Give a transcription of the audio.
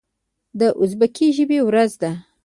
د ازبکي ژبې ورځ ده.